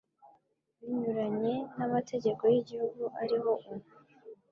Binyuranye namategeko yigihugu ariho ubu